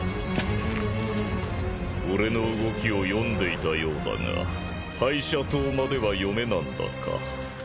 俺の動きを読んでいたようだが背車刀までは読めなんだか。